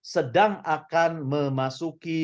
sedang akan memasuki